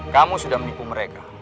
kamu sudah menipu mereka